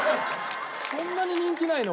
そんなに人気ないの？